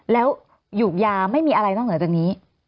แล้วหยุกยาไม่มีอะไรนอกเหนือจากนี้